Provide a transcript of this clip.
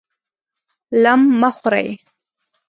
لم مه خورئ!